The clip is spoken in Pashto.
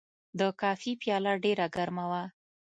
د کافي پیاله ډېر ګرمه وه.